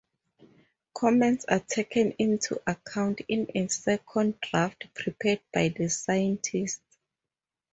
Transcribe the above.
Comments are taken into account in a second draft prepared by the scientists.